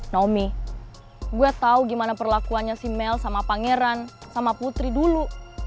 nomi gue tau gimana perlakuannya si mel sama pangeran sama putri dulu